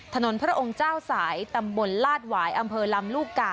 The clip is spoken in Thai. พระองค์เจ้าสายตำบลลาดหวายอำเภอลำลูกกา